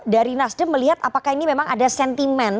dari nasdem melihat apakah ini memang ada sentimen tertentu kepada partai